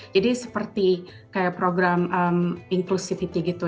jadi seperti kayak program inclusivity gitu